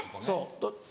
そう。